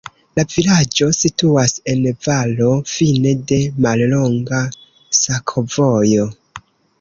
La vilaĝo situas en valo, fine de mallonga sakovojo.